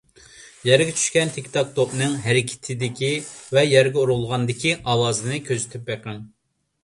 يەرگە چۈشكەن تىكتاك توپنىڭ، ھەرىكىتىدىكى ۋە يەرگە ئۇرۇلغاندىكى ئاۋازىنى كۆزىتىپ بېقىڭ.